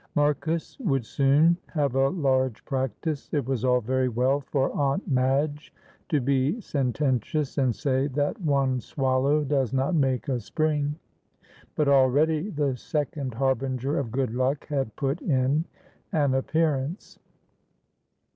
Marcus would soon have a large practice; it was all very well for Aunt Madge to be sententious, and say that one swallow does not make a spring; but already the second harbinger of good luck had put in an appearance.